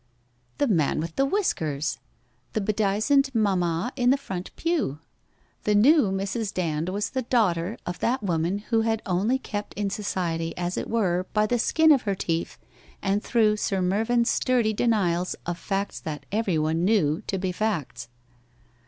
The man with the whiskers! The bedizened Mamma in the front pew ! The new Mrs. Dand was the daughter of that woman who had only kept in society as it were by the skin of her teeth and through Sir Mervyn's sturdy denials of facts that everyone knew to be facts.